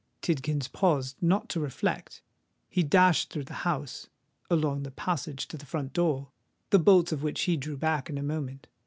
Tidkins paused not to reflect:—he dashed through the house—along the passage to the front door, the bolts of which he drew back in a moment.